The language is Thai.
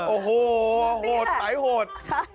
โอ้โฮโหดนะไหนหด